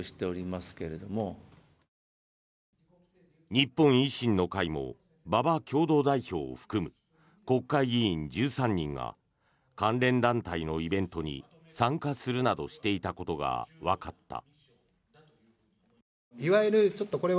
日本維新の会も馬場共同代表を含む国会議員１３人が関連団体のイベントに参加するなどしていたことがわかった。